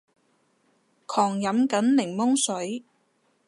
狂飲緊檸檬水